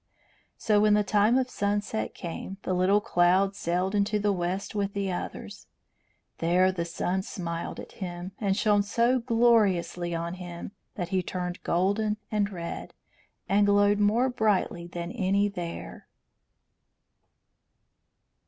So when the time of sunset came the little cloud sailed into the west with the others. There the sun smiled at him and shone so gloriously on him that he turned golden and red, and glowed more brightly than any there.